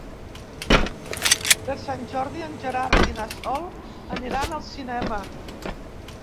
Per Sant Jordi en Gerard i na Sol aniran al cinema.